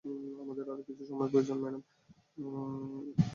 আমাদের আরও কিছু সময় প্রয়োজন, ম্যাডাম।